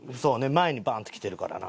前にバーンってきてるからな。